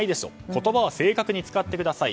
言葉は正確に使ってください。